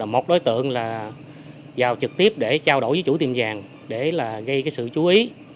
một đối tượng vào trực tiếp để trao đổi với chủ tiệm vàng để gây sự chú ý